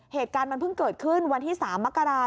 เหตุการณ์มันเพิ่งเกิดขึ้นวันที่๓มกรา